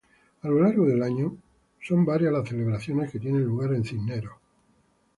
A lo largo del año son varias las celebraciones que tienen lugar en Cisneros.